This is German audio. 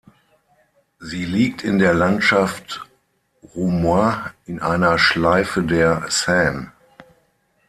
Sie liegt in der Landschaft Roumois in einer Schleife der Seine.